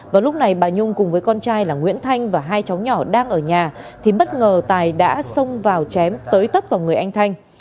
vào lúc này bà nhung cùng với con trai là nguyễn thanh và hai cháu nhỏ đang ở nhà thì bất ngờ tài đã xông vào chém tới tấp vào người anh thanh